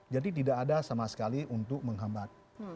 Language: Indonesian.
jadi tidak ada sama sekali untuk menghambat